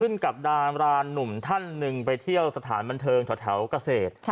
กับดารานุ่มท่านหนึ่งไปเที่ยวสถานบันเทิงแถวเกษตร